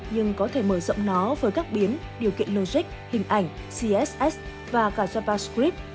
nhưng có thể mở rộng nó với các biến điều kiện logic hình ảnh css và cả javascrid